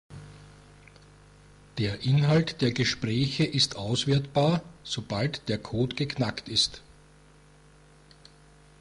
Der Inhalt der Gespräche ist auswertbar, sobald der Code geknackt ist.